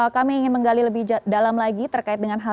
kami ingin menggali lebih dalam lagi terkait dengan hal ini